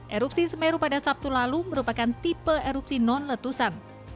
erupsi semeru pada sabtu lalu merupakan tipe erupsi non letusan